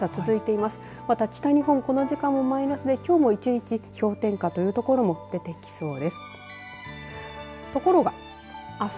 また北日本、この時間もマイナスできょうも１日氷点下という所も出てきそうです。